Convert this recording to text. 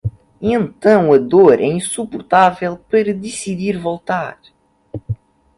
Então a dor é insuportável para decidir voltar